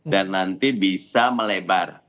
dan nanti bisa melebar